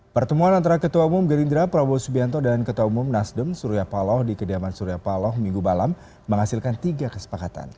pertemuan antara ketua umum gerindra prabowo subianto dan ketua umum nasdem surya paloh di kediaman surya paloh minggu malam menghasilkan tiga kesepakatan